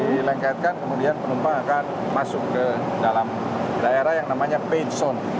dilengketkan kemudian penumpang akan masuk ke dalam daerah yang namanya page sound